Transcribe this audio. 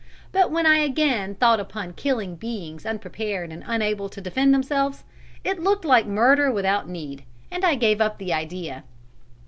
But when I again thought upon killing beings unprepared and unable to defend themselves, it looked like murder without need, and I gave up the idea.